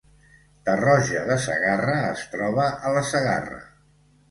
Tarroja de Segarra es troba a la Segarra